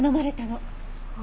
あ。